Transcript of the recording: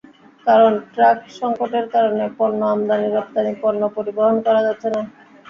কারণ ট্রাক সংকটের কারণে পণ্য আমদানি-রপ্তানি পণ্য পরিবহন করা যাচ্ছে না।